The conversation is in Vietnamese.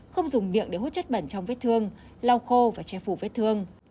không dùng miệng để hút chất bẩn trong vết thương lau khô và che phủ vết thương